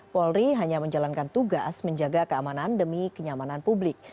polri hanya menjalankan tugas menjaga keamanan demi kenyamanan publik